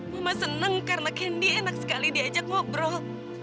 mama senang karena kendi enak sekali diajak ngobrol